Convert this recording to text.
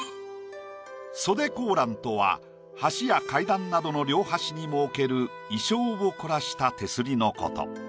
「袖高欄」とは橋や階段などの両端に設ける意匠を凝らした手すりのこと。